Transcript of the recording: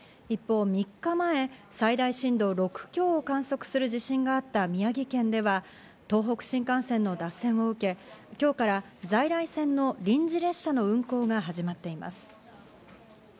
一方、３日前、最大震度６強を観測する地震があった宮城県では、東北新幹線の脱線を受け、今日から在来線の臨時列車の運行が始まっています。